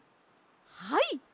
はい！